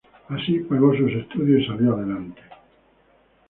Así pagó sus estudios y salió adelante.